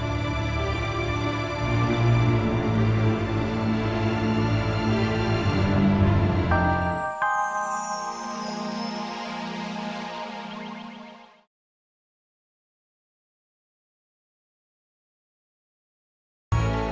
masalahnya yang ngomong itu salah satu dari kalian